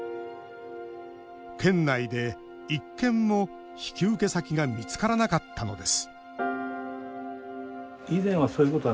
県内で１軒も引き受け先が見つからなかったのです